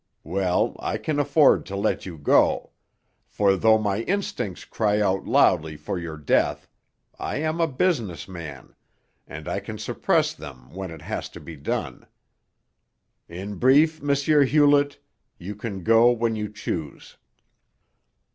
Well, I can afford to let you go; for, though my instincts cry out loudly for your death, I am a business man, and I can suppress them when it has to be done. In brief, M. Hewlett, you can go when you choose."